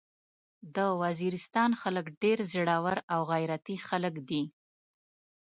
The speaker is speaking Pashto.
د وزيرستان خلک ډير زړور او غيرتي خلک دي.